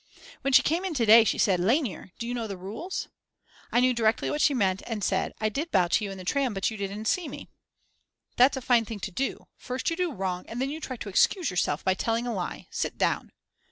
When she came in to day she said: Lainer, do you know the rules? I knew directly what she meant and said "I did bow to you in the tram but you didn't see me." "That's a fine thing to do, first you do wrong and then try to excuse yourself by telling a lie. Sit down!"